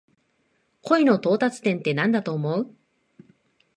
恋の到達点ってなんだと思う？